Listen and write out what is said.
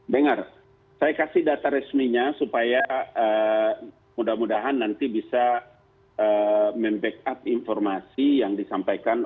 dengar saya kasih data resminya supaya mudah mudahan nanti bisa membackup informasi yang disampaikan